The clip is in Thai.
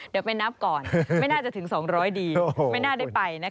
เดี๋ยวไปนับก่อนไม่น่าจะถึง๒๐๐ดีไม่น่าได้ไปนะคะ